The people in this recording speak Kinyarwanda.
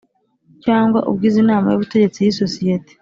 Cyangwa ugize inama y ubutegetsi y isosiyete